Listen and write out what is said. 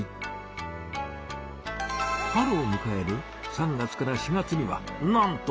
春をむかえる３月から４月にはなんと！